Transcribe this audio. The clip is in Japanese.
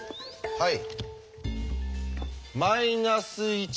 はい。